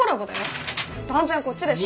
断然こっちでしょ！